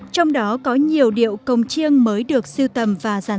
trong đó có nhiều điệu công chiêng mới được sưu tầm